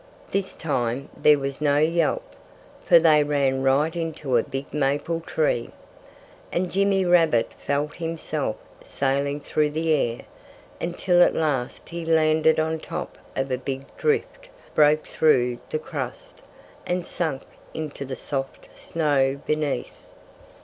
This time there was no yelp, for they ran right into a big maple tree. And Jimmy Rabbit felt himself sailing through the air, until at last he landed on top of a big drift, broke through the crust, and sank into the soft snow beneath.